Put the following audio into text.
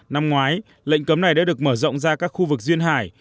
năm ngoái lệnh cấm này đã được mở rộng ra các khu vực duyên hải